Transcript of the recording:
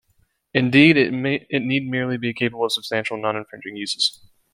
Indeed, it need merely be capable of substantial noninfringing uses.